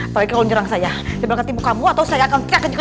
apalagi kalau menyerang saya dia akan tipu kamu atau saya akan kacau